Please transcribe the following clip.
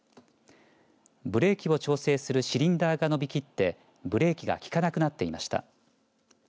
ブレーキを調整するシリンダーが伸びきってブレーキが効かなくなっていました。